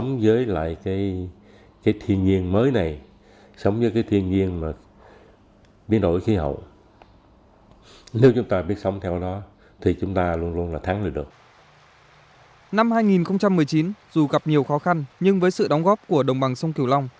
năm hai nghìn một mươi chín dù gặp nhiều khó khăn nhưng với sự đóng góp của đồng bằng sông kiều long